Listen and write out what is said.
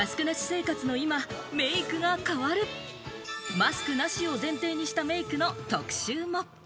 マスクなしを前提にしたメイクの特集も。